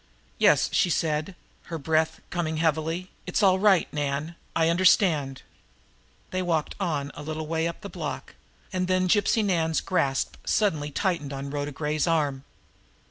"Yes," she said. Her breath was coming heavily. "It's all right, Nan. I understand." They walked on a little way up the block, and then Gypsy Nan's grasp suddenly tightened on Rhoda Gray's arm.